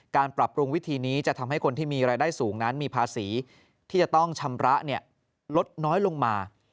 การปรับปรุงวิธีนี้จะทำให้คนที่มีรายได้สูงนั้นมีภาษีที่จะต้องชำระลดน้อยลงมา